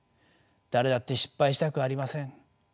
誰だって失敗したくありません。